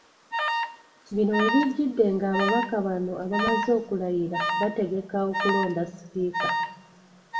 Bino webijjidde nga ababaka bano abamaze okulayira bategeka okulonda Sipiika